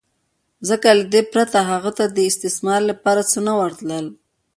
ځکه له دې پرته هغوی ته د استثمار لپاره څه نه ورتلل